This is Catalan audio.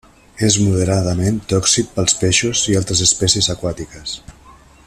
És moderadament tòxic pels peixos i altres espècies aquàtiques.